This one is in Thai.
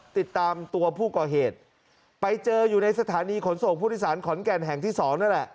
ติดตามตัวผู้ก่อเหตุไปเจออยู่ในสถานีขนส่งผู้โดยสารขอนแก่นแห่งที่สองนั่นแหละ